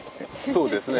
そうですか。